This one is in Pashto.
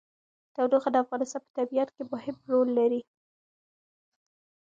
تودوخه د افغانستان په طبیعت کې مهم رول لري.